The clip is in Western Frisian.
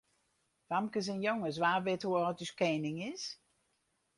Famkes en jonges, wa wit hoe âld as ús kening is?